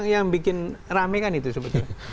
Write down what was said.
yang bikin rame kan itu sebetulnya